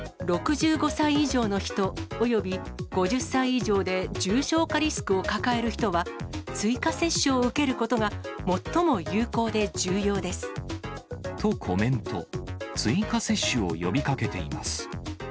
６５歳以上の人および５０歳以上で重症化リスクを抱える人は、追加接種を受けることが最も有効で重要です。とコメント。